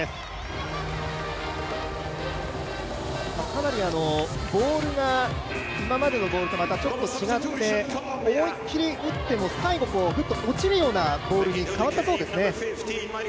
かなりボールが今までのボールとちょっと違って思いっきり打っても最後ふっと落ちるようなボールに変わったそうですね。